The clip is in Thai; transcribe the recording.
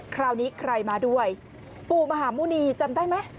คราวนี้ใครมาด้วยปู่มหาหมุณีจำได้ไหม